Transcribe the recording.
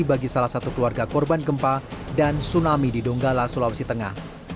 bagi salah satu keluarga korban gempa dan tsunami di donggala sulawesi tengah